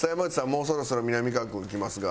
もうそろそろみなみかわ君来ますが。